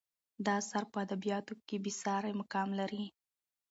دا اثر په ادبیاتو کې بې سارې مقام لري.